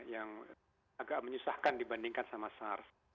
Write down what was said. yang agak menyusahkan dibandingkan sama sars